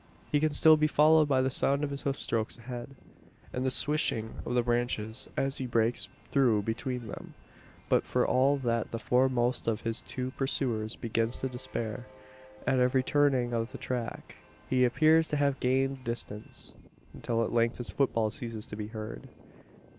He can still be followed by the sound of his hoofstrokes ahead, and the swishing of the branches as he breaks through between them; but for all that the foremost of his two pursuers begins to despair. At every turning of the track, he appears to have gained distance; until at length his footfall ceases to be heard.